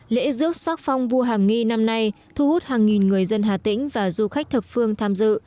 lễ rước sắc phong vua hàm nghi năm nay thu hút hàng nghìn người dân hà tĩnh và du khách thập phương tham dự